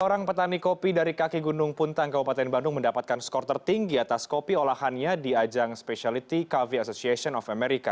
orang petani kopi dari kaki gunung puntang kabupaten bandung mendapatkan skor tertinggi atas kopi olahannya di ajang specialty coffee association of america